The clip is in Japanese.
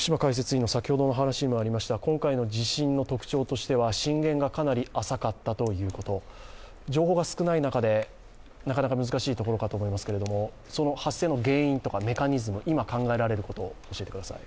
今回の自身の特徴としては震源がかなり浅かったということ、情報が少ない中でなかなか難しいところかと思いますけれどもその発生の原因とかメカニズム、今考えられること、教えてください。